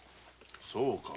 そうか。